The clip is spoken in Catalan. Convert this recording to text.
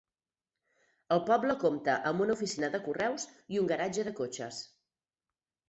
El poble compta amb una oficina de correus i un garatge de cotxes.